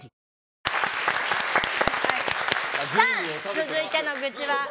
続いての愚痴は。